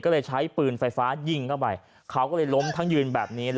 ก็เลยใช้ปืนไฟฟ้ายิงเข้าไปเขาก็เลยล้มทั้งยืนแบบนี้